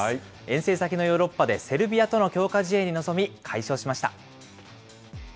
遠征先のヨーロッパでセルビアとの強化試合に臨み、快勝しました。